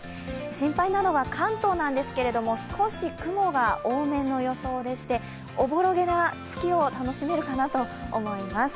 心配なのは関東なんですけど、少し雲が多めの予想でしておぼろげな月を楽しめるかなと思います。